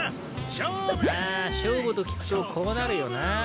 勝負と聞くとこうなるよな。